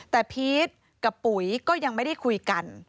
แต่พีชกับปุ๋ยก็ยังไม่ได้คุยกัน